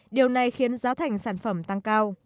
điều này khiến giá thành sản phẩm tăng cao